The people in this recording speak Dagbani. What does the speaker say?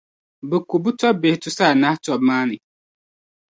bɛ ku bɛ tɔbbihi tusa anahi tɔb’ maa ni.